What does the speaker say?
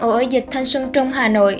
ở dịch thanh xuân trung hà nội